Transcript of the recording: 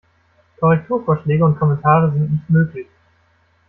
Korrekturvorschläge und Kommentare sind nicht möglich.